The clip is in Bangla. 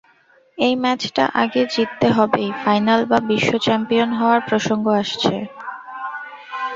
এই ম্যাচটা আগে জিতলে তবেই ফাইনাল বা বিশ্ব চ্যাম্পিয়ন হওয়ার প্রসঙ্গ আসছে।